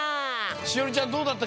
栞里ちゃんどうだった？